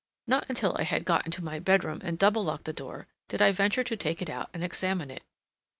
Not until I had got into my bedroom and double locked the door did I venture to take it out and examine it.